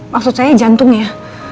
maksud saya jantungnya